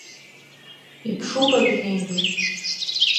Иԥшуп адунеи ду.